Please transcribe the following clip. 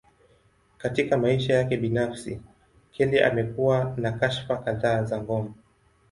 Katika maisha yake binafsi, Kelly amekuwa na kashfa kadhaa za ngono.